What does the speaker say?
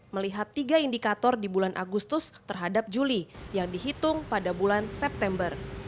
melihat tiga indikator di bulan agustus terhadap juli yang dihitung pada bulan september